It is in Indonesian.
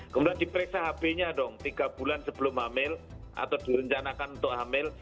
kemudian diperiksa hb nya dong tiga bulan sebelum hamil atau direncanakan untuk hamil